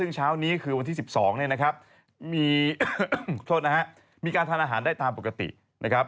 คราวนี้คือวันที่๑๒มีการทานอาหารได้ตามปกตินะครับ